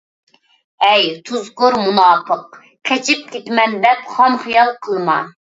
ھەي تۇزكور مۇناپىق، قېچىپ كېتىمەن دەپ خام خىيال قىلما!